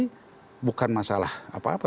ini bukan masalah apa apa